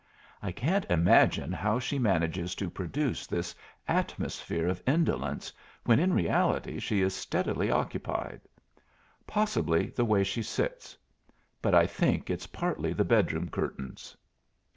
I can't imagine how she manages to produce this atmosphere of indolence when in reality she is steadily occupied. Possibly the way she sits. But I think it's partly the bedroom curtains.